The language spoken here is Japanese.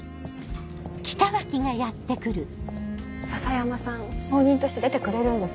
篠山さん証人として出てくれるんですね。